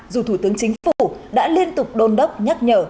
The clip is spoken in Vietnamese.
dù thủ tướng chính phủ đã liên tục đôn đốc nhắc nhở